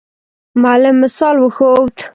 معلم مثال وښود.